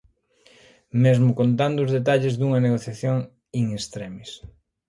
Mesmo contando os detalles dunha negociación in extremis.